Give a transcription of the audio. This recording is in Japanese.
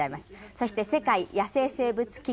そして世界野生生物基金